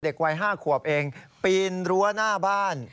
วัย๕ขวบเองปีนรั้วหน้าบ้าน